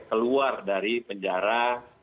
keluar dari penjara